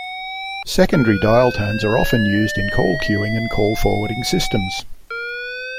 Secondary dial tones are often used in call queuing and call forwarding systems.